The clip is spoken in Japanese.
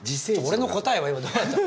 俺の答えは今どうなったの？